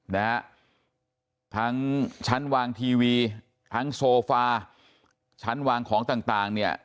นะฮะทั้งชั้นวางทีวีทั้งโซฟาชั้นวางของต่างต่างเนี่ย